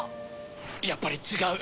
やっぱりちがう！